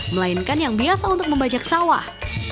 melainkan yang biasa untuk membajak sawah